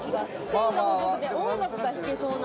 線が細くて、音楽が弾けそうな。